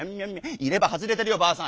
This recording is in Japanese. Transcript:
「入れ歯外れてるよばあさん。